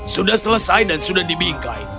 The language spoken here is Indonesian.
sudah selesai dan sudah dibingkai